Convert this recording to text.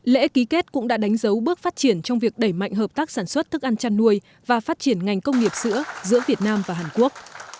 lễ ký kết cũng đã đánh dấu bước phát triển trong việc đẩy mạnh hợp tác sản xuất thức ăn chăn nuôi và phát triển ngành công nghiệp sữa giữa việt nam và hàn quốc